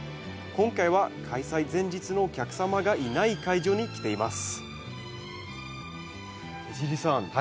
今回は開催前日のお客様がいない会場に来ています江尻さん